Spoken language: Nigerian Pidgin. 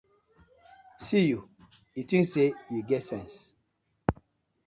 See yu, yu tink say yu get sence.